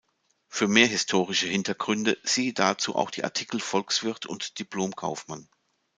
Für mehr historische Hintergründe siehe dazu auch die Artikel Volkswirt und Diplom-Kaufmann.